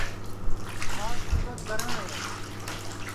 آج سُورج گرہٹؔ ہے